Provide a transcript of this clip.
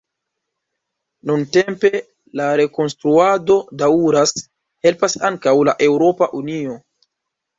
Nuntempe la rekonstruado daŭras, helpas ankaŭ la Eŭropa Unio.